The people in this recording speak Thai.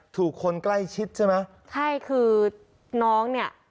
ถูกคนใกล้ชิดใช่ไหมใช่คือน้องเนี่ย